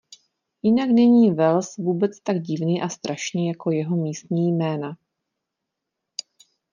Jinak není Wales vůbec tak divný a strašný jako jeho místní jména.